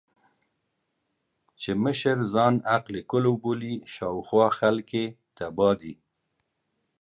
چې مشر ځان عقل کُل وبولي، شا او خوا خلګ يې تباه دي.